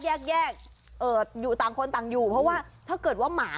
มีเงินอยู่ต่างคนต่างอยู่เพราะว่า